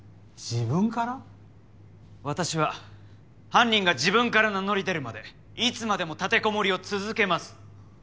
私は犯人が自分から名乗り出るまでいつまでも立てこもりを続けます。